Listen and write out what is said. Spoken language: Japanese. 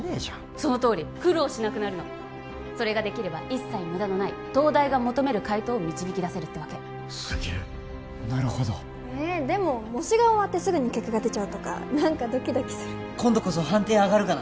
そのとおり苦労しなくなるのそれができれば一切無駄のない東大が求める解答を導き出せるってわけすげえなるほどえでも模試が終わってすぐに結果が出ちゃうとか何かドキドキする今度こそ判定上がるかな？